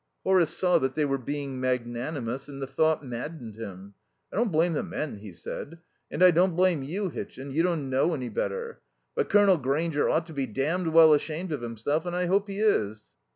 Horace saw that they were being magnanimous, and the thought maddened him. "I don't blame the men," he said, "and I don't blame you, Hitchin. You don't know any better. But Colonel Grainger ought to be damned well ashamed of himself, and I hope he is."